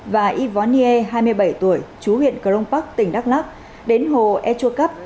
và y võ nghê hai mươi bảy tuổi chú huyện cờ rông bắc tỉnh đắk lắc đến hồ etrua cấp